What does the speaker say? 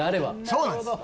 そうなんです。